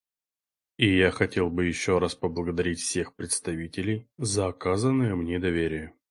И я хотел бы еще раз поблагодарить всех представителей за оказанное мне доверие.